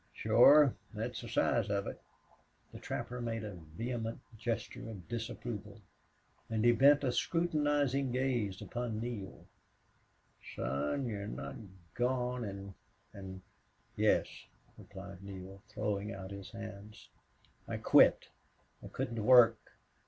"Shore. Thet's the size of it." The trapper made a vehement gesture of disapproval and he bent a scrutinizing gaze upon Neale. "Son, you've not gone an' an' " "Yes," replied Neale, throwing out his hands. "I quit. I couldn't work.